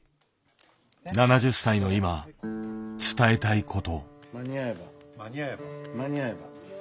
７０歳の今伝えたいこと。